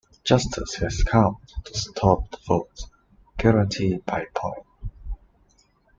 Justice has come to stop the vote, guaranteed by point.